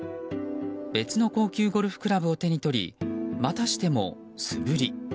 別の高級ゴルフクラブを手に取りまたしても素振り。